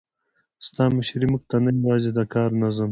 ستا مشري موږ ته نه یوازې د کار نظم،